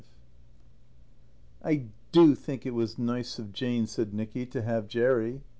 V "I do think it was nice of Jane," said Nicky, "to have Jerry."